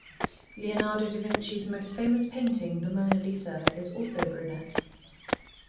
Leonardo da Vinci's most famous painting the Mona Lisa is also brunette.